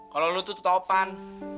kalau lo tuh tau pan